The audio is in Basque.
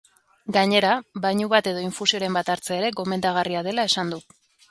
Gainera, bainu bat edo infusioren bat hartzea ere gomendagarria dela esan du.